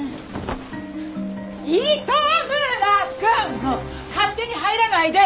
もう勝手に入らないで！